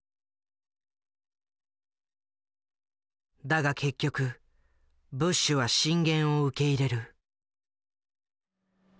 だが結局ブッシュは進言を受け入れる。